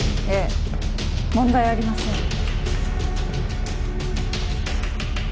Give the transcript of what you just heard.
ええ問題ありません。